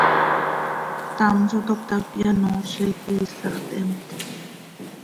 Ctam zo toc cötap, yanoozic, iisax theemt.